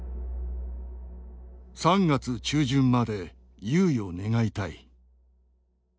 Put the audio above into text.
「３月中旬まで猶予願いたい」